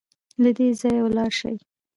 له دې ځايه ولاړ سئ